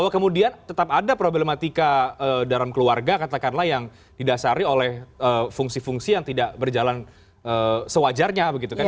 bahwa kemudian tetap ada problematika dalam keluarga katakanlah yang didasari oleh fungsi fungsi yang tidak berjalan sewajarnya begitu kan